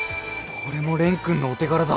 これも蓮くんのお手柄だ。